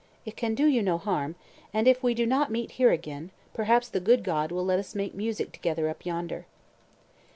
It can do you no harm, and if we do not meet here again, perhaps the good God will let us make music together up yonder."